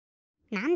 なんだ？